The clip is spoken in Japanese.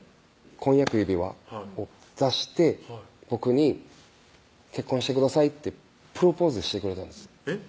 婚約指輪を出して僕に「結婚してください」ってプロポーズしてくれたんですえっ